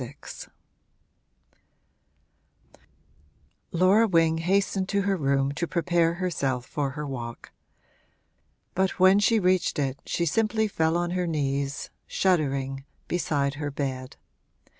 VI Laura Wing hastened to her room to prepare herself for her walk; but when she reached it she simply fell on her knees, shuddering, beside her bed.